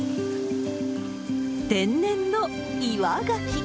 天然の岩ガキ。